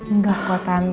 enggak kok tante